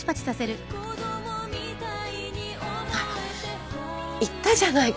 あら言ったじゃない